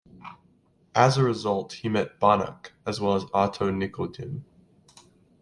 As a result, he met Banach, as well as Otto Nikodym.